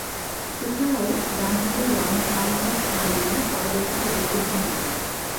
এছাড়াও, ডানহাতে round-arm fast বোলিংয়ে পারদর্শীতা দেখিয়েছেন তিনি।